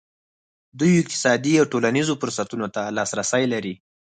دوی اقتصادي او ټولنیزو فرصتونو ته لاسرسی لري.